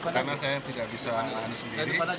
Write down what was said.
karena saya tidak bisa lahan sendiri